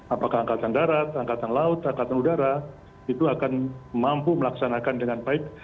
apakah angkatan darat angkatan laut angkatan udara itu akan mampu melaksanakan dengan baik